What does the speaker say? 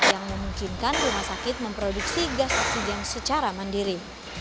yang memungkinkan rumah sakit memproduksi gas oksigen secara mandiri